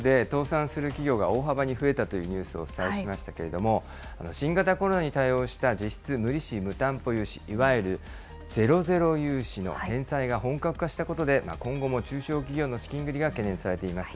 今週、全国で倒産する企業が大幅に増えたというニュースをお伝えしましたけれども、新型コロナに対応した実質無利子・無担保融資、いわゆるゼロゼロ融資の返済が本格化したことで、今後も中小企業の資金繰りが懸念されています。